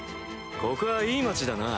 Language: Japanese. ここはいい町だな